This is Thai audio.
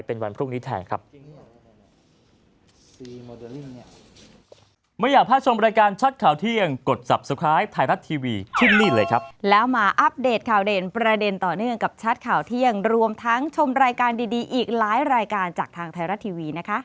เป็นวันพรุ่งนี้แทนครับ